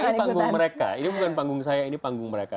karena ini panggung mereka ini bukan panggung saya ini panggung mereka